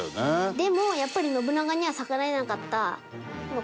でもやっぱり信長には逆らえなかったのかなって